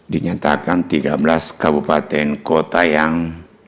dinyatakan tiga belas kabupaten kota yang